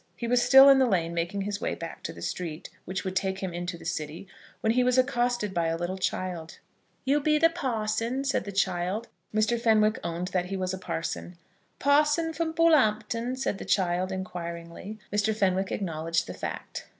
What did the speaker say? He was still in the lane, making his way back to the street which would take him into the city, when he was accosted by a little child. "You be the parson," said the child. Mr. Fenwick owned that he was a parson. "Parson from Bull'umpton?" said the child, inquiringly. Mr. Fenwick acknowledged the fact.